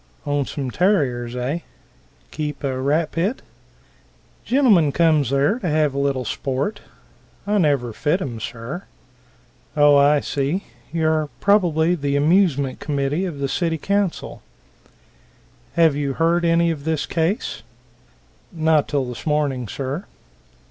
"Own some terriers, eh? Keep a rat pit?" "Gentlemen comes there to have a little sport. I never fit 'em, sir." "Oh, I see you are probably the amusement committee of the city council. Have you ever heard of this case?" "Not till this morning, sir."